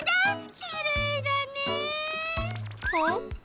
きれいだね。